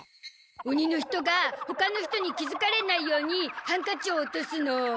鬼の人が他の人に気づかれないようにハンカチを落とすの。